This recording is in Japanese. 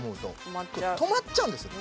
うん止まっちゃうんですよ